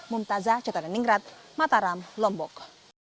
mumtazah chetaneningrat mataram lombok